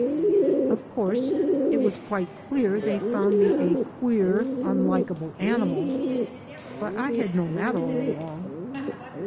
Of course, it was quite clear they found me a queer, unlikable animal. But I had known that all along.